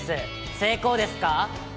成功です。